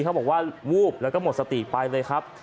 เขาบอกว่าวูบแล้วก็หมดสติไปเลยครับ